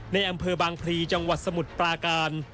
ในอำเภอบางพลีจังหวัดสมุทรปลาการ